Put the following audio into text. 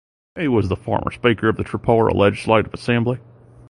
He was the former Speaker of Tripura Legislative Assembly.